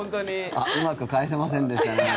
あっうまく返せませんでしたね。